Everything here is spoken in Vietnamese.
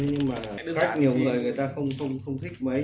nhưng mà khách nhiều người người ta không thích